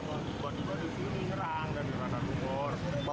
serang dan berada di bogor